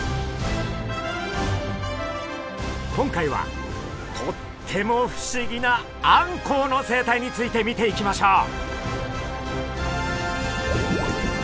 今回はとっても不思議なあんこうの生態について見ていきましょう！